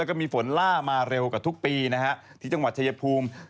แล้วก็มีฝนล่ามาเร็วกว่าทุกปีนะฮะที่จังหวัดชายภูมิ